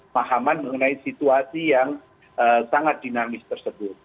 pahaman mengenai situasi yang sangat dinamis tersebut